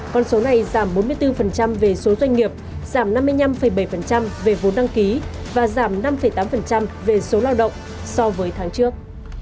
con số này giảm bốn mươi bốn về số doanh nghiệp giảm năm mươi năm bảy về vốn đăng ký và giảm năm tám về số lao động so với tháng trước